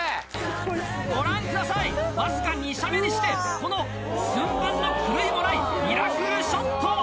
ご覧ください、僅か２射目にして、この寸分の狂いもないミラクルショット。